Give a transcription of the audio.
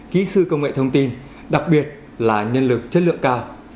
kỹ sư công nghệ thông tin đặc biệt là nhân lực chất lượng cao